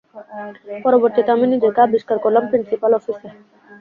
পরবর্তীতে আমি নিজেকে আবিষ্কার করলাম প্রিন্সিপাল অফিসে।